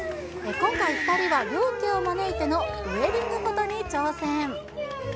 今回２人は、両家を招いてのウエディングフォトに挑戦。